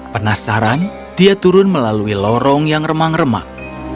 penasaran dia turun melalui lorong yang remang remang